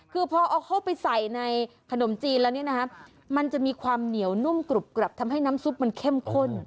คือพอเอาเข้าไปใส่ในขนมจีนแล้วเนี่ยนะฮะมันจะมีความเหนียวนุ่มกรุบกรับทำให้น้ำซุปมันเข้มข้น